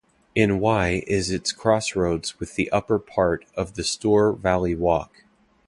In Wye is its crossroads with the upper part of the Stour Valley Walk.